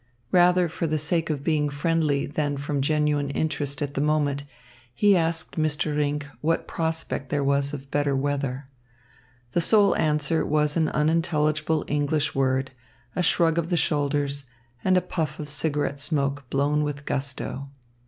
Rather for the sake of being friendly than from genuine interest at that moment, he asked Mr. Rinck what prospect there was of better weather. The sole answer was an unintelligible English word, a shrug of the shoulders, and a puff of cigarette smoke blown with gusto.